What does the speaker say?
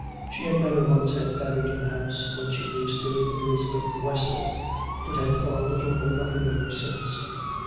She had met her once at Babington House, when she was still Elizabeth Westley, but had thought little or nothing of her since.